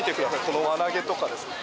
この輪投げとかですね